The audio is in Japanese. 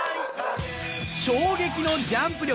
衝撃のジャンプ力！